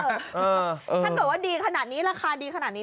ถ้าเกิดว่าดีขนาดนี้ราคาดีขนาดนี้